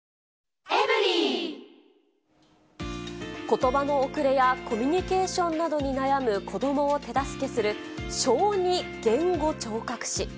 ことばの遅れやコミュニケーションなどに悩む子どもを手助けする小児言語聴覚士。